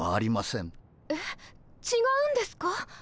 違うんですか？